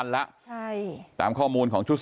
กลุ่มตัวเชียงใหม่